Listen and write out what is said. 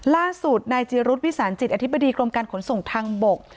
ล่าสุดนายจีรุษวิสานจิตอธิบดีกรมการขนส่งทางบก